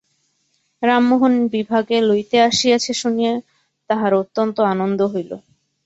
রামমোহন বিভাকে লইতে আসিয়াছে শুনিয়া তাঁহার অত্যন্ত আনন্দ হইল।